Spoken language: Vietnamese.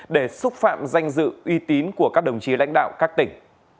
để xúc phạm danh dự uy tín của các đồng chí lãnh đạo các tỉnh